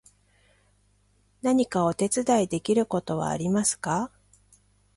何かお手伝いできることはありますか？